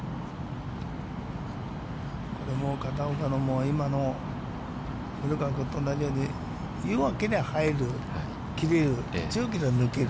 これも片岡の今の古川君と同じように、弱けりゃ入る、切れる。